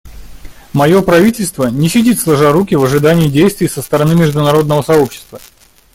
Мое правительство не сидит сложа руки в ожидании действий со стороны международного сообщества.